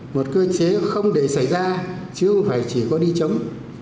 một cơ chế không để xảy ra chứ không phải chỉ có đi chống